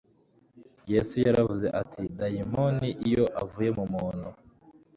Yesu yaravuze ati: «Dayimoni iyo avuye mu muntu,